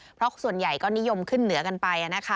เพราะส่วนใหญ่ก็นิยมขึ้นเหนือกันไป